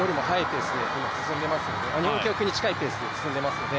日本記録に近いペースで進んでいます。